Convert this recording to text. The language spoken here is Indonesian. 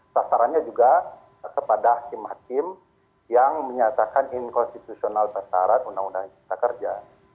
sasarannya juga kepada tim hakim yang menyatakan inkonstitusional persyarat undang undang kita kerja